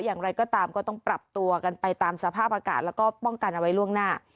อย่างไรก็ตามก็ต้องปรับตัวกันไปตามสภาพอากาศแล้วก็ป้องกันเอาไว้ล่วงหน้า